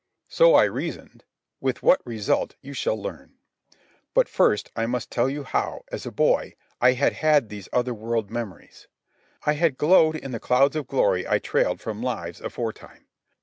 So I reasoned—with what result you shall learn. But first I must tell how, as a boy, I had had these other world memories. I had glowed in the clouds of glory I trailed from lives aforetime.